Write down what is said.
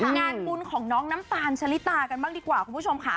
งานบุญของน้องน้ำตาลชะลิตากันบ้างดีกว่าคุณผู้ชมค่ะ